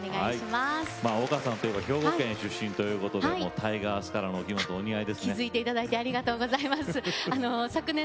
丘さんといえば兵庫県のご出身ということでタイガースの色のお着物がお似合いですね。